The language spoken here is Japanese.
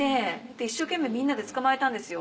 一生懸命みんなで捕まえたんですよ。